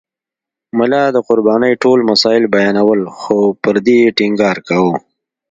ملا د قربانۍ ټول مسایل بیانول خو پر دې یې ټینګار کاوه.